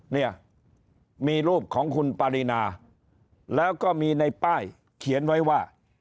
เนี่ยมีรูปของคุณปารีนาแล้วก็มีในป้ายเขียนไว้ว่า